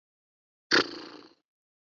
广西柳州因为是主要木材集散地之称。